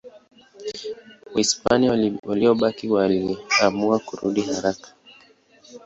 Wahispania waliobaki waliamua kurudi haraka.